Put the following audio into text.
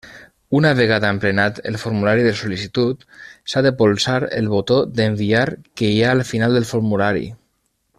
Una vegada emplenat el formulari de sol·licitud, s'ha de polsar el botó d'enviar que hi ha al final del formulari.